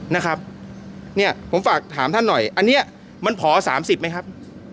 นะครับเนี่ยผมฝากถามท่านหน่อยอันนี้มันพอ๓๐ไหมครับ